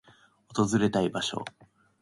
訪れたい場所